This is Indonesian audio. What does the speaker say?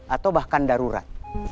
atau bahkan darurat